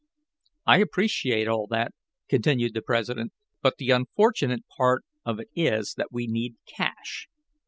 "I appreciate all that," continued the president. "But the unfortunate part of it is that we need cash.